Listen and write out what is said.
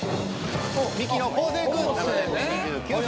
ミキの昴生君７年目２９歳。